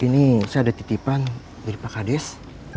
ini saya ada titipan dari pak kades